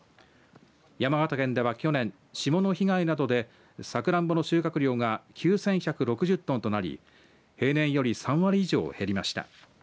山形県では去年、霜の被害などでさくらんぼの収穫量が９１６０トンとなり平年より３割以上減りました。